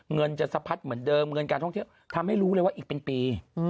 เงินจะสะพัดเหมือนเดิมเงินการท่องเที่ยวทำให้รู้เลยว่าอีกเป็นปี